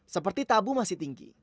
seperti tabu masih tinggi